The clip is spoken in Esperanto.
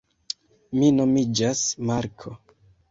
Mi nomiĝas Marko